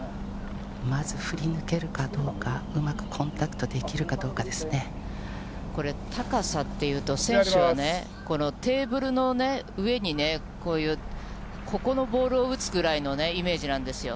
まず振り抜けるかどうか、うまくこれ、高さっていうと、選手はね、このテーブルの上にね、こういう、ここのボールを打つくらいのイメージなんですよ。